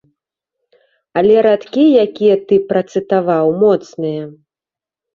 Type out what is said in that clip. Але радкі, якія ты працытаваў, моцныя.